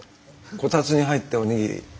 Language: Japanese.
こたつに入ってお握り。